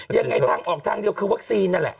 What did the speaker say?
ยังไงทางออกทางเดียวคือวัคซีนนั่นแหละ